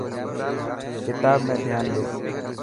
ڪتاب ۾ ڌيان ڏي.